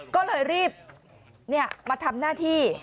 ก็เลยรีบมาทำหน้าที่